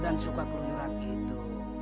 dan suka keluyuran itu